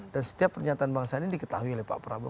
dan setiap pernyataan bang sandi diketahui oleh pak prabowo